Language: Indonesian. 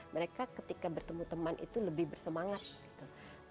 mereka ketika bertemu teman itu lebih bersemangat gitu